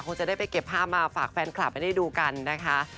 คงจะได้ไปเก็บภาพมาฝากแฟนคลับให้ได้ดูกันนะคะ